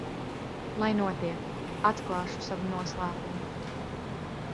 Lai notiek, atklāšu savu noslēpumu.